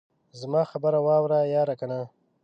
زما خبره واوره ياره کنه.